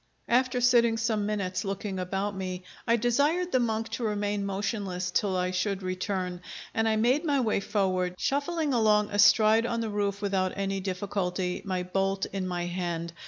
After sitting some minutes looking about me, I desired the monk to remain motionless till I should return, and I made my way forward, shuffling along astride on the roof without any difficulty, my bolt in my hand.